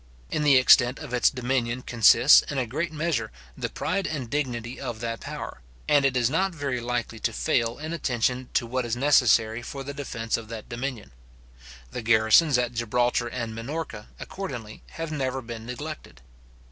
In the extent of its dominion consists, in a great measure, the pride and dignity of that power; and it is not very likely to fail in attention to what is necessary for the defence of that dominion. The garrisons at Gibraltar and Minorca, accordingly, have never been neglected.